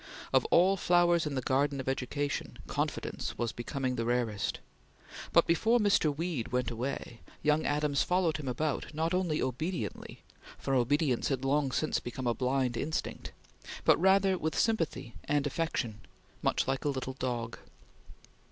Of all flowers in the garden of education, confidence was becoming the rarest; but before Mr. Weed went away, young Adams followed him about not only obediently for obedience had long since become a blind instinct but rather with sympathy and affection, much like a little dog.